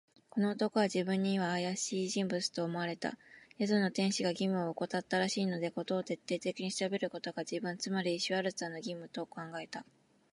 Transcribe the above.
この男は自分にはあやしい人物と思われた。宿の亭主が義務をおこたったらしいので、事を徹底的に調べることが、自分、つまりシュワルツァーの義務と考えた。